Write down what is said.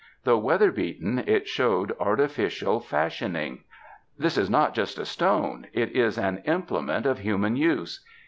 Though weather beaten, it showed artificial fashion ing. "This is not just a stone; it is an implement of human use.